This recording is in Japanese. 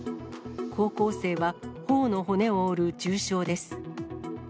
高校生は、ほおの骨を折る重傷です。